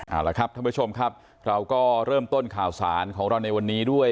เอาละครับท่านผู้ชมครับเราก็เริ่มต้นข่าวสารของเราในวันนี้ด้วย